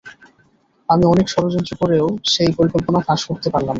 আমি অনেক ষড়যন্ত্র করেও সেই পরিকল্পনা ফাঁস করতে পারলাম না, বড়দের কাছে।